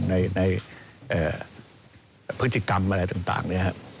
ในพฤจิกรรมอะไรต่างนะครับ